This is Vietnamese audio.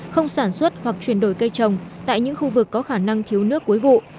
không sản xuất hoặc chuyển đổi cây trồng tại những khu vực có khả năng thiếu nước cuối vụ